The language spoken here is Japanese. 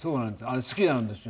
あれ好きなんですよ。